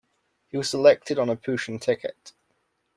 He was elected on a 'Puttian' ticket.